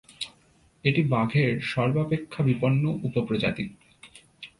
এটি বাঘের সর্বাপেক্ষা বিপন্ন উপপ্রজাতি।